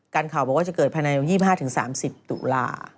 ข่าวบอกว่าจะเกิดภายใน๒๕๓๐ตุลา